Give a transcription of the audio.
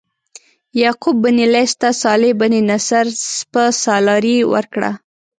یعقوب بن لیث ته صالح بن نصر سپه سالاري ورکړه.